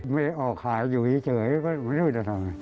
ไม่ออกขายอยู่เจ๋ยมันไม่ได้วิจัยทำงาน